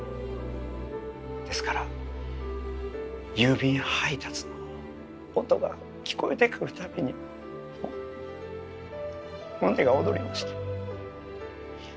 ですから郵便配達の音が聞こえてくる度にもう胸が躍りました。